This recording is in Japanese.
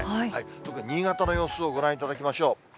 特に新潟の様子をご覧いただきましょう。